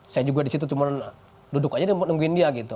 saya juga disitu cuman duduk aja nungguin dia gitu